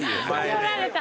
怒られた。